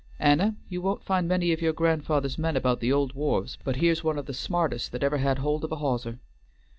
"Anna, you won't find many of your grandfather's men about the old wharves, but here's one of the smartest that ever had hold of a hawser."